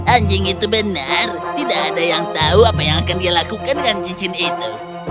anjing itu benar tidak ada yang tahu apa yang akan dia lakukan dengan cincin itu